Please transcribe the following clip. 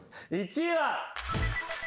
１位は。